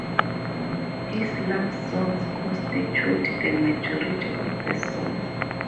His love songs constitute the majority of the songs.